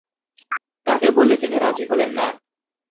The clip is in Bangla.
তাঁকে বললে তিনি রাজি হলেন না।